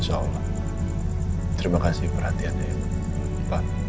insya allah terima kasih perhatiannya ya papa